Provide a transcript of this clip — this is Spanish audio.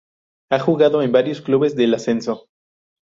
Ha jugado en varios clubes del ascenso.